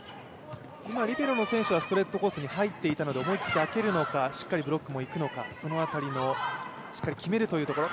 今、リベロの選手はストレートコースに入っていたので思い切ってあけるのかしっかりブロックもいくのか、その辺り、しっかり決めるというところ。